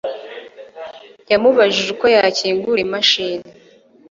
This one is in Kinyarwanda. yamubajije uko yakingura imashini